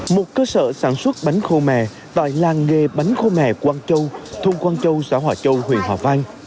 một cơ sở sản xuất bánh khô mè tại làng nghề bánh khô me quang châu thôn quang châu xã hòa châu huyện hòa vang